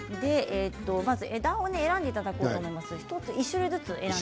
枝を選んでいただこうと思います。